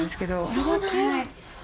そうなんだ。